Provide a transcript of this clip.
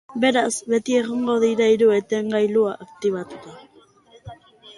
Beraz, beti egongo dira hiru etengailu aktibatuta.